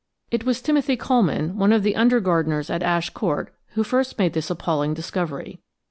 It was Timothy Coleman, one of the under gardeners at Ash Court, who first made this appalling discovery.